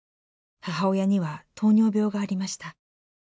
母親には糖尿病がありました。